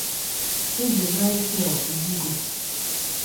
Eze Michael Idigo